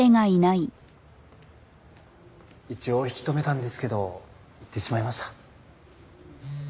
一応引き留めたんですけど行ってしまいました。